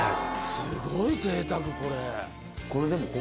すごいぜいたくこれ。